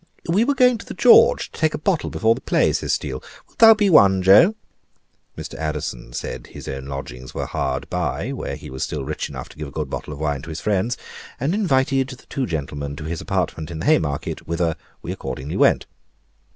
"We were going to the 'George' to take a bottle before the play," says Steele: "wilt thou be one, Joe?" Mr. Addison said his own lodgings were hard by, where he was still rich enough to give a good bottle of wine to his friends; and invited the two gentlemen to his apartment in the Haymarket, whither we accordingly went.